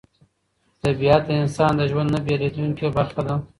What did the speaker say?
طبیعت د انسان د ژوند نه بېلېدونکې برخه ده